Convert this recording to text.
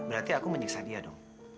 berarti aku menyiksa dia dong